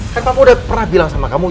kan kamu udah pernah bilang sama kamu